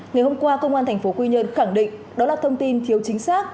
ngày hôm qua công an thành phố quy nhơn khẳng định đó là thông tin thiếu chính xác